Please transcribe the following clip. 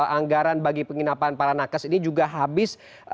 anggaran bagi penginapan para nakes ini juga habis